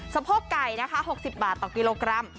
สะพวกไก่์๖๐บาทต่อกิโลกรัม